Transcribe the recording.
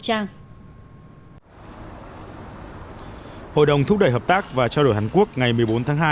hội đồng thúc đẩy hợp tác và trao đổi hàn quốc ngày một mươi bốn tháng hai